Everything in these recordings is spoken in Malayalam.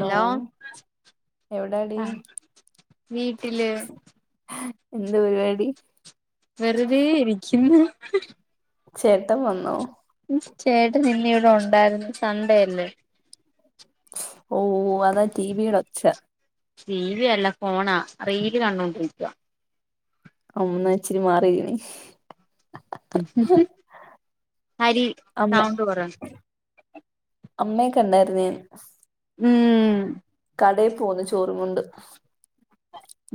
ഹലോ, എവിടാടി ആ, വീട്ടില്. എന്താ പരിപാടി. വെറുതെ ഇരിക്കുന്നു. ചേട്ടൻ വന്നോ? ചേട്ടനിന്നിവിടെ ഒണ്ടായിരുന്ന് സൺണ്ടേയല്ലേ? ഓഹ് അതാ ടി വീടൊച്ച. ടി വിയല്ല ഫോണാ, റീല് കണ്ടോണ്ടിരിക്കുവ. അമ്മ ഇച്ചിരി മാറിരി അരി [unintelligible] അമ്മ കൊറണ് അമ്മേ കണ്ടാരുന്നു ഞാൻ. ഉം കടെ പോന്ന് ചോറും കൊണ്ട്.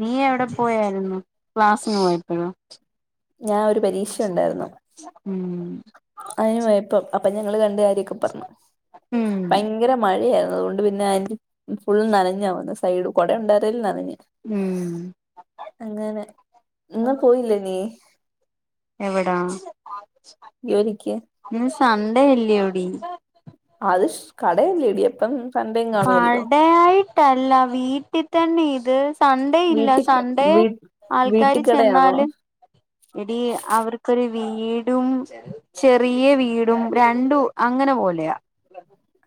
നീയെവിടെ പോയാരുന്നു, ക്ലാസിന് പോയപ്പഴോ? ഞാഒരു പരീ ഉം അയിന് പോയപ്പോ അപ്പൊ ഞങ്ങള് തന്റെ കാര്യൊക്കെ പറഞ്ഞു. ഉം ഭയ ങ്കര മഴയായിരുന്നു അതുകൊണ്ട് പിന്നെ [inaudible] ഫുൾ നനഞ്ഞാ വന്നെ സൈഡ് കുട ഒണ്ടാരുന്നേലും നനഞ്ഞ്. ഉം അങ്ങനെ ഇന്ന് പോയില്ലേ നീ? എവിടാ ജോലിക്ക് ഇന്ന് സൺ‌ഡേ അല്ല്യോടീ. അത് ഷ് കടയല്ലേടി അപ്പം സൺഡേയും കാണുമല്ലോ ആൾടെയായിട്ടല്ല വീട്ടി തന്നെ ഇത് സൺഡേ ഇല്ല വീട്ടി സൺഡേ വീ ആൾക്കാര് വീട്ടിക്കടയാണോ ചെന്നാലും എടീ അവർക്കൊരു വീടും ചെറിയ വീടും രണ്ടു അങ്ങനെ പോലെയാ.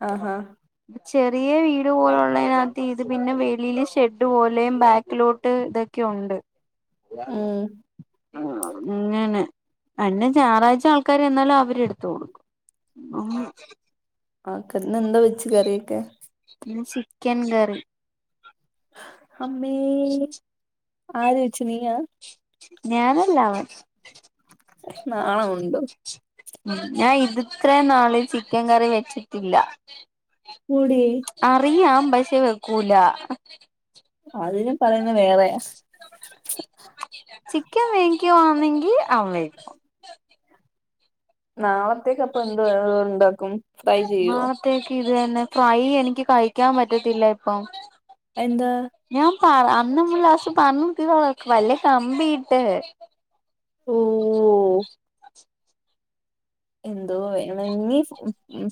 ആഹ് ഹാ ചെറിയ വീട് പോലുള്ളയിനാത്ത് ഇത് പിന്നെ വെളില് ഷെഡ് പോലെയും ബാക്കിലോട്ട്ത് ക്കെ ഒണ്ട്. ഉം ആഹ് അങ്ങനെ, അന്നെ ഞായറാഴ്ച ആൾക്കാര്ന്നാലും അവരെടുത്തുകൊടുക്കും അങ്ങനെ. ഓക്കേ, ഇന്നെന്ത് വെച്ച്‌ കറിയൊക്കെ? ഇന്ന് ചിക്കൻ കറി. അമ്മേ ആര് വെച്ച് നീയാ? ഞാനല്ലാ. വഷ് നാണവുണ്ടൊ? ഞാൻ ഇത് ത്രേ നാള് ചിക്കൻ കറി വെച്ചിട്ടില്ല. പുടേ അറിയാം, പക്ഷേ വെക്കൂല. അതിന് പറയുന്ന വേറെ. ചിക്കൻ വേങ്‌ക്കാവാണെങ്കി അമ്മ വെക് നാളത്തേക്കപ്പ എന്തോ ഉണ്ടാക്കും, ഫ്രൈ ചെയ്യൊ? ത്തേക്ക് ഇത് തന്നെ, ഫ്രൈ എനിക്ക് കഴിക്കാൻ പറ്റത്തില്ല ഇപ്പം. എന്താ ഞാൻ പറ അന്ന ങ്ങലാശ്യ പറഞ്ഞിട്ടീതോള പല്ല് കമ്പിട്ട്. ഓഹ് എന്തോ വേണങ്ങി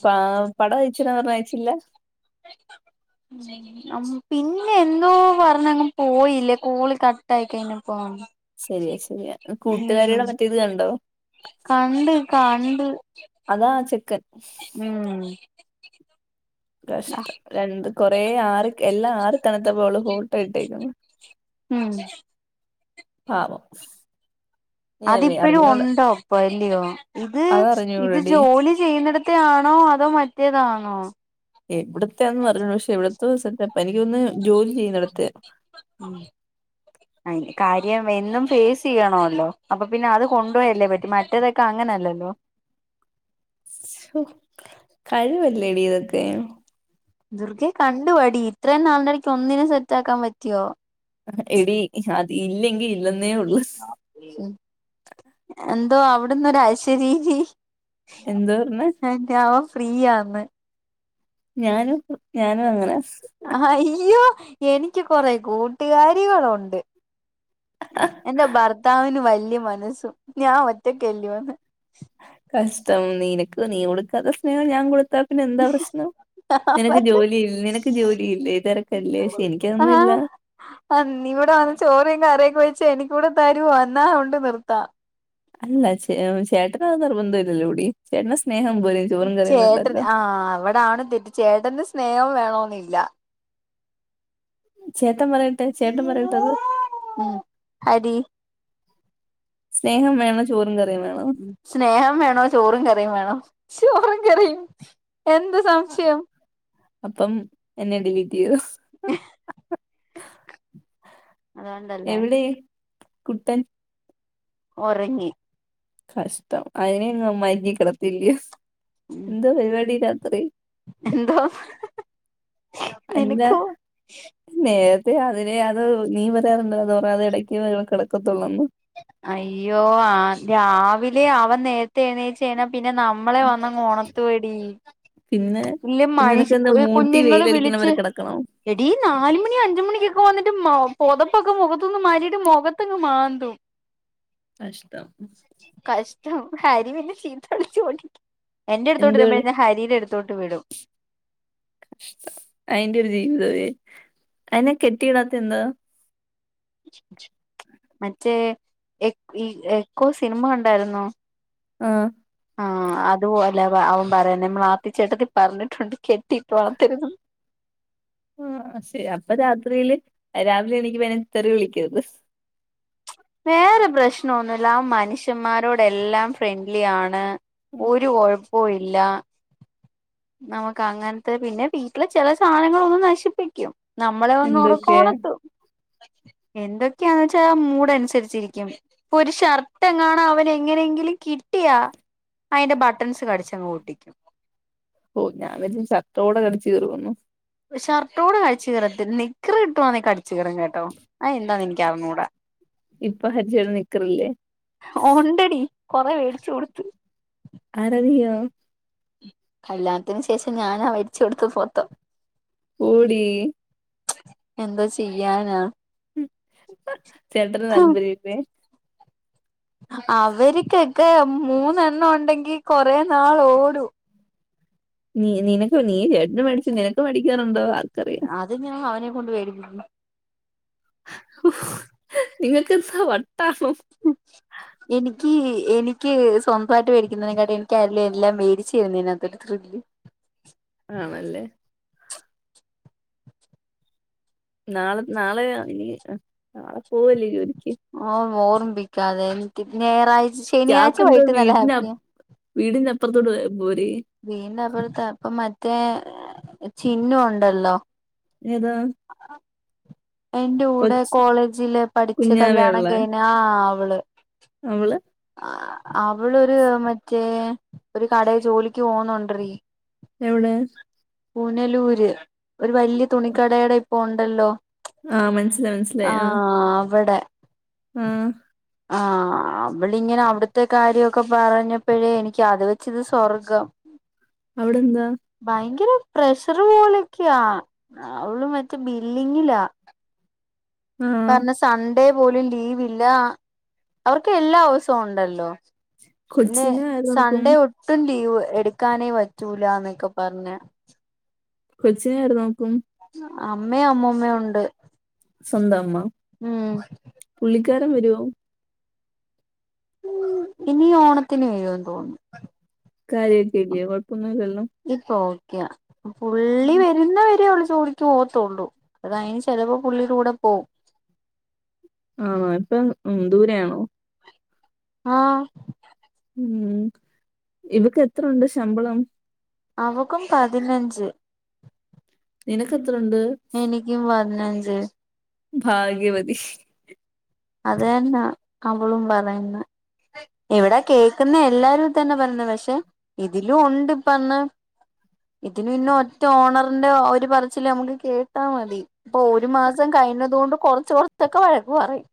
പാ പട വെച്ച് ക കയച്ചില്ല? അം പിന്നെ എന്തോ പറഞ്ഞങ്ങ് പോയില്ലേ, കോള് കട്ടയി കഴിഞ്ഞ പോ. ശരിയാ ശരിയാ, കൂട്ടുകാരിയുടെ മറ്റേത് കണ്ടോ? കണ്ട്. കണ്ട് അതാ ചക്കൻ. ഉം കഷ്ടം, രണ്ട് കൊറെ ആർ എല്ലാം ആറി തണത്തപ്പോ അവള് ഫോട്ടോ ഇട്ടേക്കുന്നു. ഉം. പാവം. ഞാൻ അതിപ്പഴു അറിഞ്ഞൂട ഉണ്ടോ പ്പ ഇല്ലയോ? ഇത് ഇത് അതറിഞ്ഞൂടടി ജോലി. ചെയ്യുന്നിടത്ത ആണോ, അതോ മറ്റേതാണോ? എവിടത്തന്ന് പറഞ്ഞു പക്ഷെ, എവിടത്തെ സപ്പ എനിക്കൊന്ന് ജോലി ചെയ്യുന്ന ഇടത്തെ ഉം. അയ്ന് കാര്യം എന്നും ഫേസ് ചെയ്യണോല്ലോ, അപ്പൊ പിന്നെ അത് കൊണ്ടോയല്ലേ പറ്റു, മറ്റേതൊക്കെ അങ്ങനെയല്ലല്ലോ. ഹോ, കഴിവല്ലെടി ഇതൊക്കെ? ദുർഗെ കണ്ടു പടി, ഇത്രയും നാളടക്ക് ഒന്നിനും സെറ്റ് ആക്കാൻ പറ്റിയോ? എടി, അത് ഇല്ലെങ്കി ഇല്ലെന്നേ ഉള്ളു. ഉം, എന്തോ അവിടന്നരഴ്ശരീ. എന്താ പറഞ്ഞെ എന്റാവോ ഫ്രീയാന്ന്. ഞാനും, ഞാനും അങ്ങനെ. ആയ്യോ എനിക്ക് കൊറെ കൂട്ടുകാരികളുണ്ട്. എന്റെ ഭർത്താവിന് വല്യ മനസ്സും, ഞാൻ ഒറ്റക്കല്ല്യോന്ന്. കഷ്ടം, നിനക്ക് നീ കൊടുക്കാത്ത സ്നേഹം ഞാൻ കൊടുത്താ പിന്നെ എന്താ പ്രശ്നം? നിനക്ക് ജോലിയിൽ നിനക്ക് ജോലിയില്ലേ? തിരക്കല്ലേ? ക്ഷെ എനിക്കതൊന്നു ഇല്ല. അഹ് നീ ഇവിടെ വന്ന് ചോറും കറിയൊക്കെ വെച്ച് എനിക്കൂടെ തരോ? എന്നാ ഉണ്ട് നിർത്താ. അല്ല ചേ ചേട്ടനത് നിർബന്ധം ഇല്ലല്ലോ കൂടി ചേട്ടന സ്നേഹം പോരെ. ചേട്ടൻ ആഹ് അവിടെ ആണ് തെറ്റ് ചേട്ടന്റെ സ്നേഹം വേണന്നില്ല. ചേട്ടൻ പറയട്ടെ ചേട്ടൻ പറയട്ടെ അത്. ഉം, ഹരി സ്നേഹം വേണോ ചോറും കറിയും വേണോ സ്നേഹം വേണോ ചോറും കറിയും വേണോ ചോറും കറിയും എന്ത സംശയം അപ്പം എന്നെ ഡിലീറ്റ് ചെയ്യോ അതുകൊണ്ടല്ലേ എവിടെ കുട്ടൻ ഒറങ്ങി. കഷ്ടം അയ്നെങ്ങെ മഴകി കിടത്തില്ല യേ എന്താ പരിപാടി രാത്രി എന്തോന്ന് അന്നെ നേരത്തെ അതിന് അത് നീ പറയാറുണ്ട അത് ഇടക്ക് കേറി കിടക്കത്തുള്ളുന്ന്. അയ്യോ ആഹ് രാവിലെ അവൻ നേ ത്തെ എണീച്ചയ്നാ പിന്നെ നമ്മളെ വന്ന് അങ്ങ് ഒണർത്തു വാടീ പിന്നെ ഇല്ലമ്മ പിന്നെ നിനക്കെന്താ ഇഷ്ക് മൂട്ടി കുഞ്ഞുങ്ങള് വെയിലടിക്കുന്ന വിളിച്ച് വരെ കിടക്കണോ എടീ നാലുമണി അഞ്ചുമണിക്കൊക്കെ വന്നിട്ട് മാ പൊതപ്പൊക്കെ മുഖത്തുന്ന് മാറ്റീട്ട് മുഖത്ത്ങ് മാന്തും. കഷ്ടം. കഷ്ടം ഹരി പിന്നെ ചീത്തവിളിച്ചോടിക്കും എന്റെട്ത്തോട്ട് രുമ്പോ എന്തുവാടെ ന്റെ ഹരീടെ ട് ത്തോട്ട് വിടും. അയ്ന്റൊരു ജീവിതവെ അയ്നെ കെട്ടിയിടാത്ത്ന്താ മറ്റേ എക് ഇ എക്കോ സിനിമ കണ്ടാ യ്രുന്നോ ആഹ് ആഹ് അത്പോലെ വ അവൻ പറഞ നമ്മളാത്തിച്ചേട്ടത്തി പറഞ്ഞ്ട്ടുണ്ട് കെട്ടിട്ട് വളർത്തര്തെന്ന്. ആഹ് ശരി അപ്പൊ രാത്രിയില് രാവിലെ എണീക്കുമ്പയ്ന് തെറി വിളിക്കരുത് വേറെ പ്രശ്നം ഒന്നുല്ല അവം മനുഷ്യന്മാരോടെല്ലാം ഫ്രണ്ട്ലിയാണ്. ഉം. ഒരു കൊഴ്പ്പുംല്ല്യ. നമുക്ക് അങ്ങൻത്ത്പിന്നെ വീട്ടില് ചെല സാനങ്ങളൊന്നും നശിപ്പിക്കും. നമ്മളെ ഒന്ന് എന്തൊക്കെയാ ഒറക്കോണത്തും എന്തൊക്കെയാച്ചാ ആ മൂട ൻസരിച്ചിരിക്കും. പ്പൊരു ഷർട്ട് എങ്ങാണാ അവന് എങ്ങനെങ്കിലും കിട്ടിയാ അയ്ന്റെ ബട്ടൺസ് കട്ച്ചങ്ങ്പൊട്ടിക്കും. ഓ ഞാൻ വ്യര്ച്ച് ഷർട്ടോടെ കടിച്ചീറുംന്ന്. ഷർട്ടോടെ കട്ച്ച്കീറത്തി നിക്കറ് കിട്ടു വാണേ കടിച്ചു കീറുംകെട്ടോ. അയ് എന്താന്ന് ഇൻകറ്ഞ്ഞൂടാ. ഇപ്പൊ ഹരിച്ചേട്ടൻ നിക്കറില്ലേ ഒണ്ടടി കൊറെ വേട്ച്ച്കൊട്ത്ത്. ആരറിയൊ കല്യാൺത്തിന് ശേഷം ഞാനാവേട്ചൊട്ത്ത് ഫൊത്തം. പോടീ. എന്തോ ചെയ്യാനാ. ചേട്ടന് താൽപര്യത്തെ അവര്ക്കെക്കെ മൂന്നെണ്ണം ഉണ്ടെങ്കി കൊറെ നാളോടും. നീ നിനക്ക് നീ ചേട്ടന് മേടിച്ച് നിനക്ക് മേടിക്കാറുണ്ടോ ആർക്കറിയാം അത് ഞാ അവനെ കൊണ്ട് വേടിപ്പിക്കും. നിങ്ങക്ക് ന്താ വട്ടാണോ എനിക്ക് എനിക്ക് സ്വന്തായ്ട്ട് വേടിക്കുന്നതിനേക്കാട്ടിം ന്ക്കല്ലാം ല്ലാം വേടിച് തര്ന്നേനാ ത് തൃപ്തി. ആണല്ലേ. നാളെ നാളെഞാനതിന് ആഹ് നാളെ പോവല്ലേ ജോലിക്ക്. ഓഹ് ഓർമിമ്പിക്കാതെ എനിക്ക് ഞായറാഴ്ച്ച ശനിയാഴ്ച്ച വൈകീട്ട്ന്നല്ല ഹാപ്പിയാ. വീടിന്നപ്പർത്തോട്ട്പോയാപോരെ? വീടിനപർതാ അപ്പ മറ്റേ ചിന്നുണ്ടല്ലോ. ഏതാ? [unintelligible] എന്റെ കൂടെ കൊച്ചു കോളേജില് പഠിച്ച്കല്യാണം കുഞ്ഞാവയുള്ള കഴിഞ്ഞ ആഹ് അവള്. അവള്. അവളൊരു മറ്റേ ഒരു കടേ ജോലിക്ക് പോകുന്നുണ്ട്രടീ. എവടെ? പൂനലൂര് ഒരു വല്യ തുണിക്കടേടെ ഇപ്പോ ണ്ടല്ലോ. ആ മനസ്സിലായി ആഹ് അവ്ടെ. ആഹ് ആഹ് അവളിങ്ങനെ അവിട്ത്തെ കാര്യൊക്കെ പറഞ്ഞപ്പഴേ എനിക്ക് അത് വെച്ച്ത് സ്വർഗം. അവ്ടെന്താ? ഭയങ്കര പ്രഷറ് പോലൊക്യാ അവള് മറ്റെ ബില്ലിങ്ങിലാ. ആ പർഞ്ഞ സൺഡേ പോലും ലീവില്ലാ അവർക്ക് എല്ലാ ദിവ്സുംണ്ടല്ലോ. പിന്നെ കൊച്ചിനെ ആര് നോക്കും സൺഡേ ഒട്ടും ലീവ് എടുക്കാനേ പറ്റൂല്ല എന്നൊക്കെ പറഞ്ഞ്- കൊച്ചിന് ആർന്ന്നോക്കും. അമ്മയും അമ്മൂമ്മയും ഉണ്ട്. സ്വന്തം അമ്മ. ഉം പുള്ളിക്കാരൻ വരുവോ? ഇനി ഓണത്തിന് വരുമെന്ന്തോന്ന്. കാര്യക്കല്ലേ കൊഴപ്പമൊന്നുമില്ലല്ലോ. ഇപ്പോ ഒക്കെയാണ് പുള്ളി വരുന്നവരെയള്ള ചോദിക്ക- പോത്തുള്ളൂ അതാ അതിന് ചിലപ്പോ പുള്ളിയുടെ കൂടെ പോകും. ആഹ്‌ണോ ഇപ്പം ദൂരെ ആണോ? ആഹ് ഉം ഇവക്ക് എത്രയുണ്ട് ശമ്പളം? അവക്കും പതിനഞ്ച്. നിനക്ക് എത്രയുണ്ട്? എനിക്കും പതിനെഞ്ച്. ഭാഗ്യവതി. അതു തന്നെയാ അവളും പറയുന്ന- ഇവിടെ കേൾക്കുന്ന എല്ലാവരും തന്നെ പറയുന്നത് പക്ഷെ ഇതിലും ഉണ്ട് ഇപ്പ അന്ന്- ഇതിന് പിന്നെ ഒറ്റ ഓണറിന്റെ ഒരു പറച്ചില് നമുക്ക് കേട്ടാ മതി. ഒരു മാസം കഴിഞ്ഞത കൊണ്ട് കൊറച്ച കുറച്ചൊക്കെ വഴക്ക് പറയും.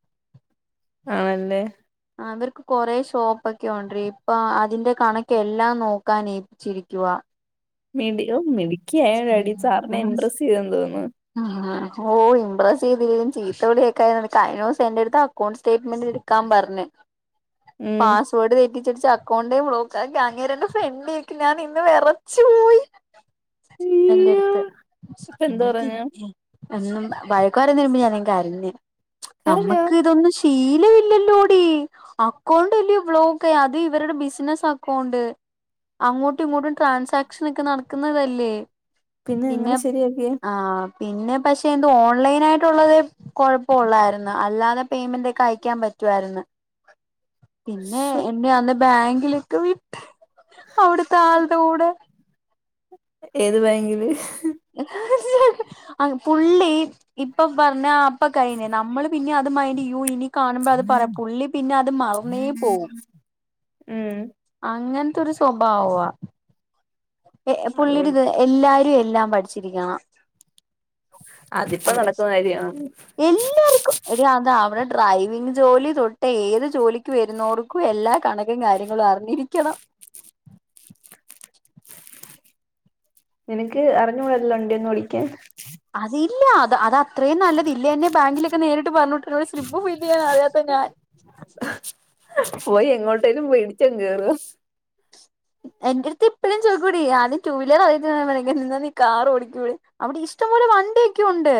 ആണല്ലേ. ആഹ് അവർക്ക് കൊറെ ഷോപ്പ് ഒക്കെ ഉണ്ട് ഇപ്പൊ അതിന്റെ കണക്കെല്ലാം നോക്കാൻ ഏൽപ്പിച്ചേക്കുവാ- മിടിയോ മിടുക്കി ആയാൽ അടി സാറിനെ ഇംപ്രസ് ചെയ്തന്ന് തോന്നു. ഓ ഇംപ്രസ് ചെയ്ത് ചീത്ത വിളിക്കാൻ കേൾക്കാൻ കഴിഞ്ഞ ദിവസം എന്റെ അടുത്ത് അക്കൗണ്ട് സ്റ്റേറ്റ്മെന്റ്- എടുക്കാൻ പറഞ്ഞു ഉം. പാസ് വേർഡ് തെറ്റിച്ചടിച്ച് അക്കൗണ്ട് ബ്ലോക്ക് ആയി അങ്ങേര് എന്റെ ഫ്രണ്ടിൽ നിൽക്കണ് ഞാൻ ഇന്ന് വിറച്ചു പോയി. [inaudible] അയ്യോ! എന്റെടുത്ത് ഇപ്പൊ എന്ത് എന്റെ അടുത്ത് പറഞ്ഞു? എന്നും വഴക്കു പറയുന്നതിന് മുമ്പ് ഞാൻ കരഞ്ഞു കരഞ്ഞോ? നമ്മുക്ക് ഇതൊന്നും- [inaudible] ശീലമില്ലല്ലോടി അക്കൗണ്ട് അല്ലേ ബ്ലോക്ക് ആയി അത് ഇവരുടെ ബിസിനസ് അക്കൗണ്ട്. അങ്ങോട്ടും ഇങ്ങോട്ടും ട്രാൻസക്ഷൻ ഒക്കെ നടക്കുന്നതല്ലേ. പിന്നെ എങ്ങനെ ശരിയാക്കിയേ? ആഹ് പിന്നെ പക്ഷെ എന്തോ ഓൺലൈൻ ആയിട്ടുള്ളത്. കൊഴപ്പുള്ളായിരുന്നു അല്ലാതെ പേയ്മെന്റ് ഒക്കെ അയ്ക്കാൻ പറ്റുയിരുന്നു. [inaudible] പിന്നെ ശ്ശോ! എന്നെ അന്ന് ബാങ്ക് ലൊക്കെ വിട്ട് അവിട്ത്തെ ആളുടെ കൂടെ ഏത് ബാങ്കില്? പുള്ളി ഇപ്പോ പറഞ്ഞാ പ്പോ കഴിഞ്ഞ് നമ്മള് പിന്നെ അത് മയ്ന്റയ്യോ ഇനി കാണുമ്പോ അത് പറ്യ പുള്ളി പിന്നെ അത് മറന്നേ പോകും. ഉം അങ്ങൻത്തൊരു സ്വഭാവാ പുള്ളിടെ അതുകൊണ്ട് ഇത് എല്ലാരോ എല്ലാം പഠിച്ചിരിക്കണം. അതിപ്പോ നടക്കുന്ന കാര്യണോ? എല്ലാരും എടീ അതാ അവടെ ഡ്രൈവിങ് ജോലി തൊട്ടേ ഏത് ജോലിക്ക് വരുന്നോർക്കും എല്ലാ കണ [unintelligible] കാര്യങ്ങളും അറിഞ്ഞിരിക്കണം. നിനക്ക് അറിഞ്ഞ് [unintelligible] വണ്ടി ഒന്ന് ഓടിക്കാൻ. അതില്ല അത് അതാ ഇത്രയും നല്ല [unintelligible] ന്നെ ബാങ്കിലൊക്കെ നേരിട്ട് പർഞ്ഞുട്ട് സ്ലിപ്പ് ഫില്ലയ്യാ അറിയാത്ത ഞാൻ. പോയി എങ്ങോട്ടേലും പോയി ചെന്നേറ എൻ്റെട്ത്ത് ഇപ്പഴും ചോയ്ക്കൂടി ആദ്യം ടു വീലർ [unintelligible] നീ കാർ ഓടിക്കൂടി. അവിടെ ഇഷ്ടംപോലെ വണ്ടിയൊക്കെ ഉണ്ട്.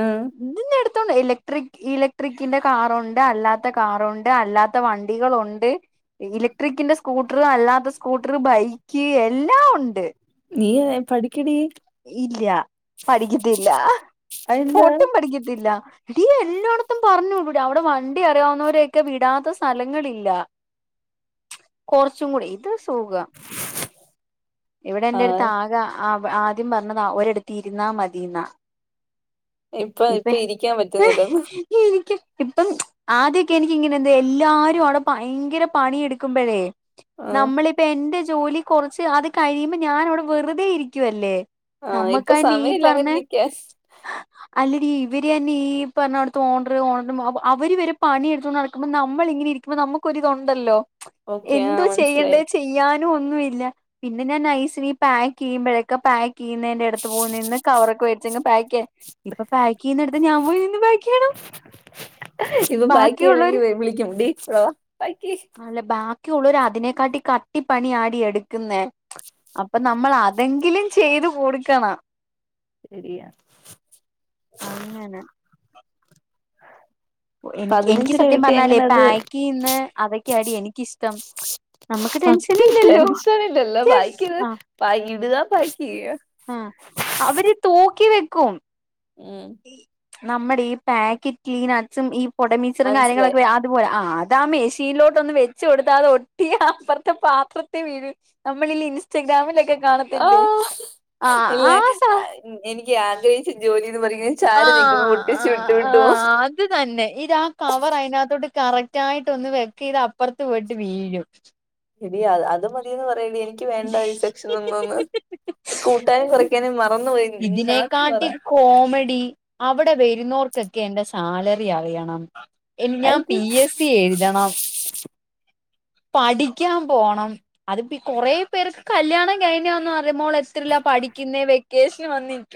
ആഹ് [unintelligible] ഇലക്ട്രിക് ഇലക്ട്രിക്കിന്റെ കാറുണ്ട് അല്ലാത്ത കാറുണ്ട് അല്ലാത്ത വണ്ടികളുണ്ട്. ഇലക്ട്രിക്കിന്റെ സ്കൂട്ടർ അല്ലാത്ത സ്കൂട്ടർ ബൈക്കി എല്ലാം ഉണ്ട്. നീയല്ലെ പഠിക്കടീ ഇല്ല പഠിക്കത്തില്ല അതെന്താ? പൊട്ടും പഠിക്കത്തില്ല. ടീ എല്ലോട്ത്തും പർഞ്ഞുടുല അവടെ വണ്ടി അറിയാവുന്നവരൊക്കെ വിടാത്ത സ്ഥലങ്ങളില്ല. [inaudible] കൊറച്ചു കൂടി ഇത് സുഖാ. ഇവടെ ആ. എന്റെട്ത്ത് ആകെ അവ ആദ്യം വന്നത് ഒരടത്തി ഇര്ന്നാ മതിന്നാ. ഇപ്പോ ഇപ്പ ഇപ്പേ ഇരിക്കാൻ പറ്റുന്നില്ലന്ന ആദ്യക്കെ എനിക്കിങ്ങനെ എന്തേ എല്ലാരും അവടെ ഭയങ്കര പണിയെടുക്കുമ്പഴേ. ആഹ് നമ്മളിപ്പ എന്റെ ജോലി കൊറച്ച് അത് കഴിയുമ്പോ ഞാൻ അവടെ വെറുതെ ഇരിക്കുവല്ലേ. നമ്മക്കായി നീ പർഞ്ഞേ? എസ് അല്ലടീ ഇവര് തന്നെ ഈ പറഞ്ഞോട്ത്ത് ഓണർ ഓണ അവ അവര് വരെ പണി എടുത്തോണ്ട് നടക്കുമ്പോ നമ്മള് ഇങ്ങനെരി പ്പ നമുക്കൊരിതുണ്ടല്ലോ ഓക്കെ എന്തോ ആഹ് മനസ്സിലായി ചെയ്യണ്ടേ ചെയ്യാനും ഒന്നുല്ല. പിന്നെ ഞാൻ നഴ്സിന് പാക്ക് യ്യുമ്പോഴേക്കെ പാക്ക് ചെയ്യുന്നേൻ്റെ എട്ത്ത് പോ നിന്ന് കവറൊക്കെ വേട്ച്ചങ്ങ് പാക്ക് യ്യൻ. ഇപ്പൊ പാക്ക് യ്യിന്നട്ത്ത് ഞാ പോയി നിന്ന് പാ ഇപ്പൊ ബാക്കി അല്ലെങ്കി ബാക്കിയുള്ളവര് വ് വിളിക്കും ടി ഇവടെ വാ ബാക്കി അല്ലെ ബാക്കിയുള്ളോര് അതിനെക്കാട്ടി കട്ടി പണിയാടി എട്ക്ക്ന്നേ. അപ്പ നമ്മൾ അതെങ്കിലും ചെയ്തു കൊടുക്കണ ശരിയാ അങ്ങനെ എനിക്ക് എനിക്ക് പതിനഞ്ച് രൂപ സത്യം കിട്ടിയ പറഞ്ഞാലേ എങ്ങനെ അത് പാക്കയ്യ്ന്നേ അതെക്കെയാടി എനിക്കിഷ്ടം. നമുക്ക് ആഹ് ടെൻഷൻ [unintelligible] ഇല്ലല്ലോ ടെൻഷൻ ഇല്ലല്ലോ വായിക്കത് പ ഇടുക പാക്കയ്യുക. ആഹ് അവര് തോക്കി വെക്കും. [unintelligible] നമ്മടെ ഈ പാക്കറ്റ് ല് നട്സും ഈ പൊടമിച്ചറും മനസ്സിലായി കാര്യങ്ങളൊക്കെ അ അതുപോലെ ആഹ് അതാ മേഷിലോട്ടൊന്ന് വെച്ച് കൊടുത്താതെ ഒട്ടിയ അപ്പർത്തെ പാത്രത്തെ വീഴ് നമ്മളില്ലേ ഇൻസ്റ്റഗ്രാമിലൊക്കെ കാണത്തില്ലേ ആഹ് ആഹ് സാ ഉം എനിക്ക് ആഗ്രഹി ആഹ് ആഹ് വിട്ടു വിട്ടു പോവും ആഹ് അത് തന്നെ ഇ രാ കവർ അയിനകത്തോട്ട് കറകറ്റായിട്ട ഒന്ന് വെക്ക്‌ ഇത് അപ്പുറത്ത് പോയിട്ട് വീഴും എടി അത് മതിയന്ന് പറയടി വേണ്ട ഈ സെക്ഷൻ ഒന്നന്ന് കൂട്ടാനും കുറക്കാനും മറന്നു പോന്ന് പറ ഇതിനെക്കാട്ടി കോമഡി അവിടെ വരുന്നവർക്കൊക്കെ എന്റെ സാലറി അറിയണം എനി ഞാൻ അത് പി എസ് സി എഴുതണം പഠിക്കാൻ പോണം അത്പ്പ കുറേ പേർക്ക് കല്ല്യാണം കഴിഞ്ഞാന്ന് അറിയുമ്പോൾ എത്രല്ല പഠിക്കുന്ന വെക്കേഷന് വന്നിട്ട്